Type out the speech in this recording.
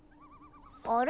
あれ？